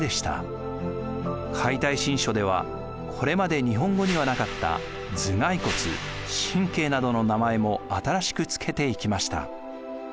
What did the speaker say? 「解体新書」ではこれまで日本語にはなかった頭蓋骨神経などの名前も新しく付けていきました。